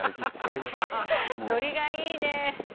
ノリがいいね！